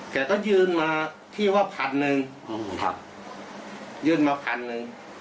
แกก็ยืนมาพี่ว่าพันหนึ่งยื่นมาพันหนึ่ง